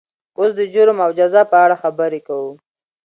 اوس د جرم او جزا په اړه خبرې کوو.